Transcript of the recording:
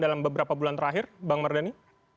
dalam beberapa bulan terakhir bang mardhani